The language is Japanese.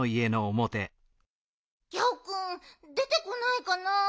ギャオくんでてこないかな。